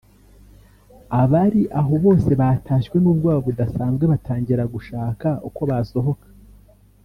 Abari aho bose batashywe n’ubwoba budasanzwe batangira gushaka uko basohoka